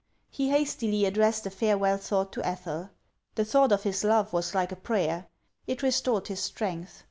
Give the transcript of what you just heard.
He hastily addressed a farewell thought to Ethel. The thought of his love was like a prayer ; it restored his strength.